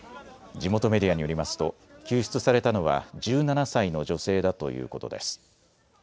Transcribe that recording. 地元メディアによりますと救出されたのは１７歳の女性だということです。